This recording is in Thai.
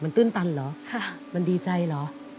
มันตื่นตันเหรอดีใจหรอ